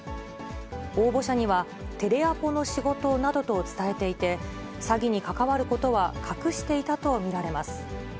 応募者には、テレアポの仕事などと伝えていて、詐欺に関わることは隠していたと見られます。